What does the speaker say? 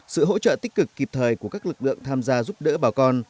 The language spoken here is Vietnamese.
sự hỗ trợ tích cực kịp thời của các lực lượng tham gia giúp đỡ bà con